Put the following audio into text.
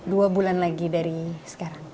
dua bulan lagi dari sekarang